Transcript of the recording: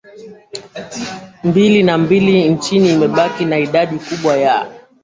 mbili na mbili Nchi imebaki na idadi kubwa ya